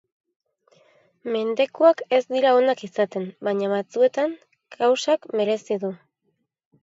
Mendekuak ez dira onak izaten baina batzuetan kausak merezi du.